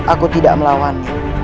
aku tidak melawan